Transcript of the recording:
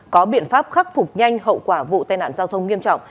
có biện pháp khắc phục nhanh hậu quả vụ tai nạn giao thông nghiêm trọng